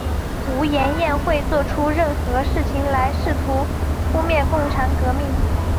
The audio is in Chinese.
吴廷琰会作出任何事情来试图扑灭共产革命。